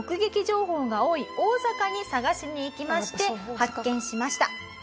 情報が多い大阪に探しに行きまして発見しました。